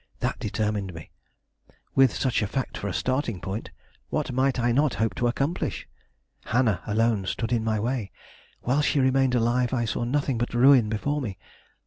That determined me. With such a fact for a starting point, what might I not hope to accomplish? Hannah alone stood in my way. While she remained alive I saw nothing but ruin before me.